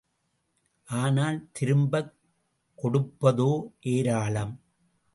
ஆனால் திரும்பக் கொடுப்பதோ ஏராளம்.